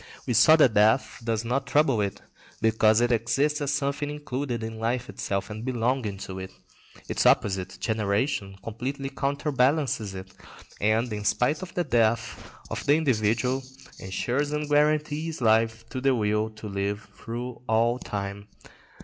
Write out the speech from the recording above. We saw that death does not trouble it, because it exists as something included in life itself and belonging to it. Its opposite, generation, completely counterbalances it; and, in spite of the death of the individual, ensures and guarantees life to the will to live through all time.